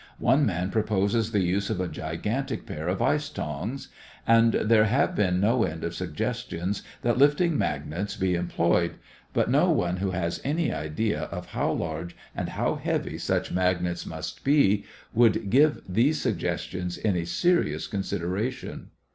One man proposes the use of a gigantic pair of ice tongs; and there have been no end of suggestions that lifting magnets be employed, but no one who has any idea of how large and how heavy such magnets must be would give these suggestions any serious consideration.